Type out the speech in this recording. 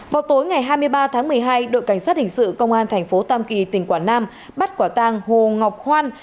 vào tối ngày hai mươi ba tháng một mươi hai đội cảnh sát hình sự công an thành phố tam kỳ tỉnh quảng nam bắt quả tang hồ ngọc hoan